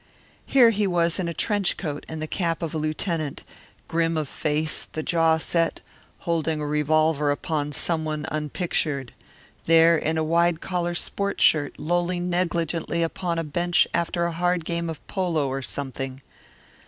Here he was in a trench coat and the cap of a lieutenant, grim of face, the jaw set, holding a revolver upon someone unpictured; there in a wide collared sport shirt lolling negligently upon a bench after a hard game of polo or something.